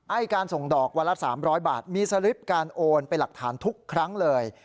ไอ้การส่งดอกวันละ๓๐๐บาทมีสลิปการโอนเป็นหลักฐานทุกครั้งเลย